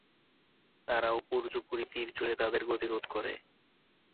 তারা উপর্যুপরি তীর ছুড়ে তাদের গতিরোধ করে।